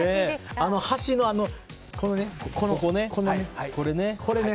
橋の、これね。